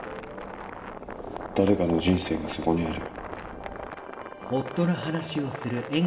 誰かの人生がそこにある。